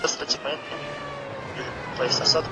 د هغې مځکي قیمت څو دی؟